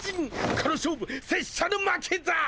この勝負拙者の負けだ！